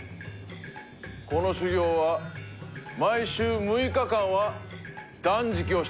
この修行は毎週６日間は断食をしてもらう。